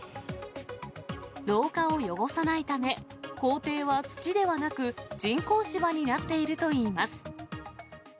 廊下を汚さないため、校庭は土ではなく、人工芝になっているといいます。